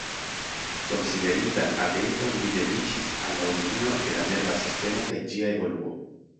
Konsiderindan atenton li dediĉis al la origino de la nerva sistemo kaj ĝia evoluo.